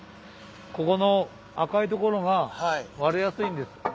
ここの赤い所が割れやすいんです。